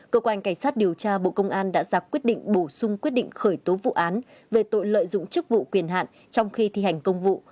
cơ quan cảnh sát điều tra bộ công an đã giả quyết định bổ sung quyết định khởi tố vụ án về tội lợi dụng chức vụ quyền hạn trong khi thi hành công vụ